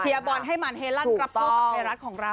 เชียร์บอลให้มันเฮลันร์รับโชคประเภรัฐของเรา